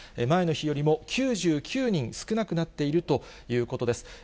前の日よりも９９人少なくなっているということです。